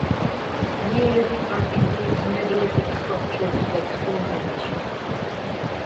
Neolithic art includes megalithic structures like Stonehenge.